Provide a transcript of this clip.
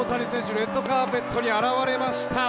レッドカーペットに現れました。